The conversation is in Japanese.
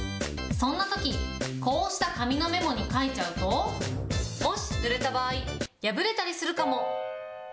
そんなとき、こうした紙のメモに書いちゃうと、もしぬれた場合、破れたりするかも。